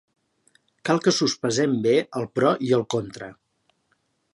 Cal que sospesem bé el pro i el contra.